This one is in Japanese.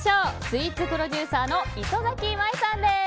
スイーツプロデューサーの磯崎舞さんです。